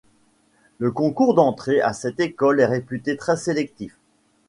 Le concours d'entrée à cette école est réputé très sélectif.